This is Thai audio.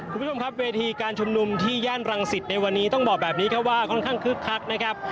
คุณผู้ชมครับเวทีการชุมนุมที่ย่านรังสิตในวันนี้ต้องบอกแบบนี้ครับว่าค่อนข้างคึกคักนะครับ